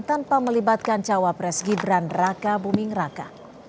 tanpa melibatkan cawapres gibran raka buming raka